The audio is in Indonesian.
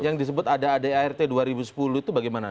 yang disebut ada adart dua ribu sepuluh itu bagaimana